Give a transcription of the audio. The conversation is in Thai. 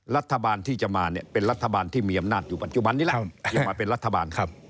รัฐบาลที่จะมาเนี่ยเป็นรัฐบาลที่มีอำนาจอยู่ปัจจุบันนี้แหละที่มาเป็นรัฐบาล